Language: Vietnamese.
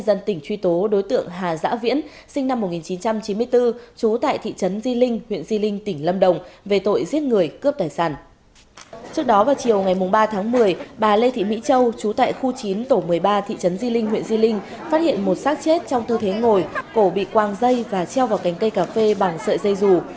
tại khu chín tổ một mươi ba thị trấn di linh huyện di linh phát hiện một sát chết trong tư thế ngồi cổ bị quang dây và treo vào cánh cây cà phê bằng sợi dây rủ